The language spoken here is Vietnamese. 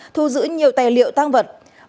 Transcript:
thu giữ nhiều tài liệu tang vật